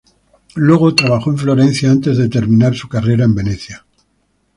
Luego trabajó en Florencia antes de terminar su carrera en Venecia.